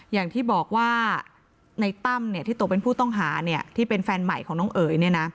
อย่างที่บอกว่าในตั้มที่ตกเป็นผู้ต้องหาที่เป็นแฟนใหม่ของน้องเอ๋ย